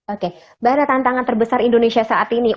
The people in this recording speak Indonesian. oke mbak ada tantangan terbesar indonesia saat ini